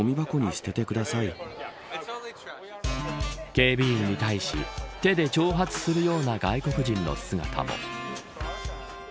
警備員に対し手で挑発するような外国人の姿も。